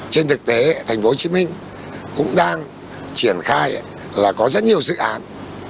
trên thực tế thành phố hồ chí minh cũng đang triển khai là có rất nhiều dự án